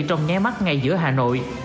trong nhé mắt ngay giữa hà nội